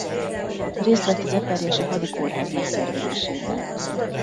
Részt vett az eperjesi hadikórház megszervezésében.